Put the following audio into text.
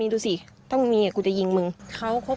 ไม่ตั้งใจครับ